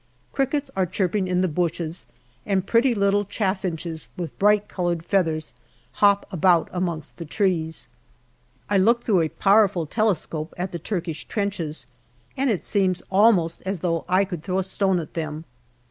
Crickets are chirping in the bushes, and pretty little chaffinches with bright coloured feathers hop about amongst the trees. I look through a powerful telescope at the Turkish trenches, and it seems almost as though I could throw a stone at them.